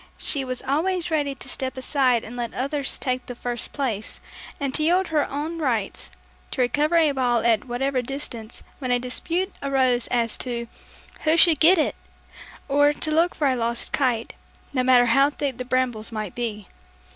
She was always ready to step aside and let others take the first place, and to yield all her own rights, to recover a ball at whatever distance when a dispute arose as to, "Who should get it?" or to look for a lost kite, no matter how thick the brambles might be.